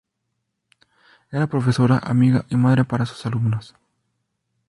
Era profesora, amiga y madre para sus alumnos.